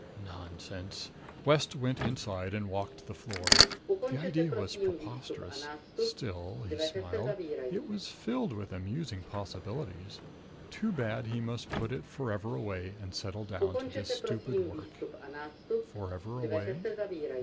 Nonsense! West went inside and walked the floor. The idea was preposterous. Still he smiled it was filled with amusing possibilities. Too bad he must put it forever away and settle down to this stupid work! Forever away?